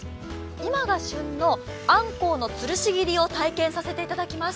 今が旬のあんこうのつるし切りを体験させていただきます。